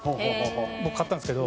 僕、買ったんですけど。